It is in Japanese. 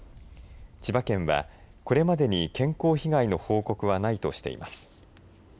千葉県は、これまでに健康被害の報告はないとしています。